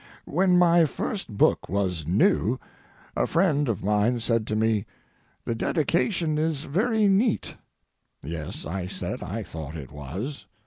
When my first book was new, a friend of mine said to me, "The dedication is very neat." Yes, I said, I thought it was.